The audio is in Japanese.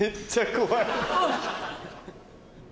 怖い！